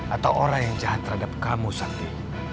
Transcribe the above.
atau orang yang jahat terhadap kamu santi